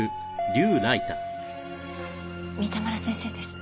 三田村先生です。